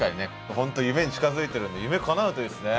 本当夢に近づいてるんで夢かなうといいですね。